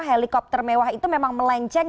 helikopter mewah itu memang melenceng